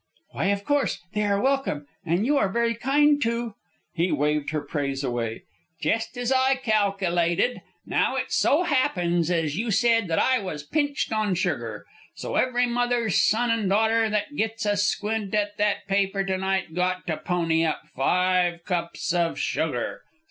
"Why, of course, they are welcome. And you are very kind to " He waved her praise away. "Jest ez I kalkilated. Now it so happens, ez you said, that I was pinched on sugar. So every mother's son and daughter that gits a squint at that paper to night got to pony up five cups of sugar.